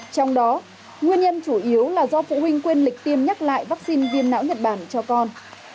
trong đó nguyên nhân chủ yếu là do phụ huynh quên lịch tiêm nhắc lại vaccine viêm não nhật bản cho con